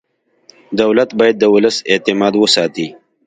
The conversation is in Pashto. دولت باید د ولس اعتماد وساتي.